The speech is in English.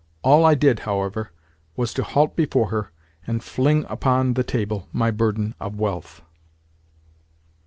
All I did, however, was to halt before her, and fling upon the table my burden of wealth.